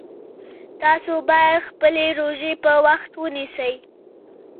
تاسو باید خپلې روژې په وخت ونیسئ